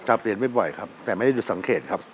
เปลี่ยนไม่บ่อยครับแต่ไม่ได้หยุดสังเกตครับ